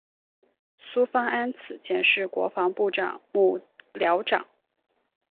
孙芳安此前是国防部长幕僚长。